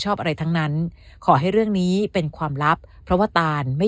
อะไรทั้งนั้นขอให้เรื่องนี้เป็นความลับเพราะว่าตานไม่